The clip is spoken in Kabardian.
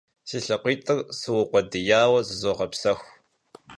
Si lhakhuitır sıukhuediyaue zızoğepsexu.